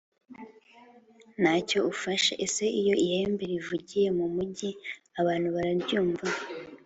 nta cyo ufashe Ese iyo ihembe rivugiye mu mugi abantu bararyumva